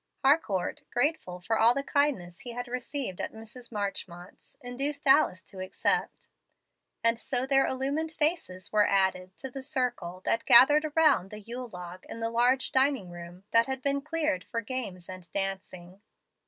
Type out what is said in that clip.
Harcourt, grateful for all the kindness he had received at Mrs. Marchmont's, induced Alice to accept; and so their illumined faces were added to the circle that gathered around the yule log in the large dining room, that had been cleared for games and dancing.